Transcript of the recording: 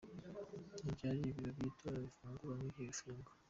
Ni ryari ibiro by’itora bifungura n’igihe bifunga ?